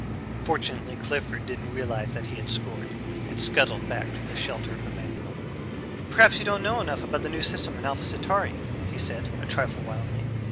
Fortunately Clifford didn't realize that he had scored, and scuttled back to the shelter of the Manual. "Perhaps you don't know enough about the new system in Alpha Centauri," he said, a trifle wildly.